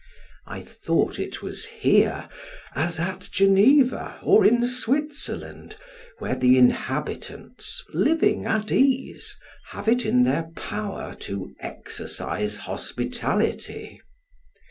I thought it was here, as at Geneva, or in Switzerland, where the inhabitants, living at ease, have it in their power to exercise hospitality.